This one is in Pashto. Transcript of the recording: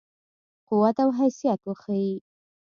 قوت او حیثیت وښيي.